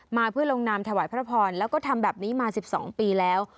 มาเพื่อลงนามถวายพระพรแล้วก็ทำแบบนี้มา๑๒ปีแล้ว